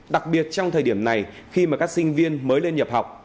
đặc biệt trong thời điểm này khi mà các sinh viên mới lên nhập học